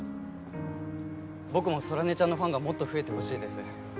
僕も空音ちゃんのファンがもっと増えてほしいです